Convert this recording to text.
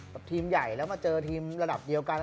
ทีมใหญ่แล้วมาเจอทีมระดับเดียวกัน